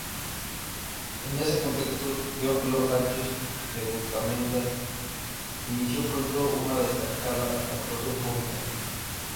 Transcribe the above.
En ese contexto, Teófilo Sánchez de Bustamante inició pronto una destacada actuación pública.